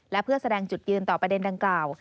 และเพื่อแสดงจุดยืนต่อประเด็นดังกล่าว